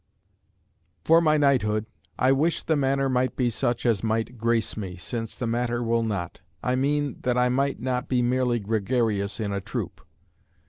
"For my knighthood, I wish the manner might be such as might grace me, since the matter will not; I mean, that I might not be merely gregarious in a troop.